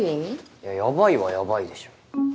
いやヤバいはヤバいでしょ。